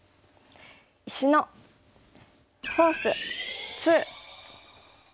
「石のフォース２」。